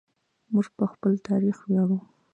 موږ په خپل تاریخ ویاړو.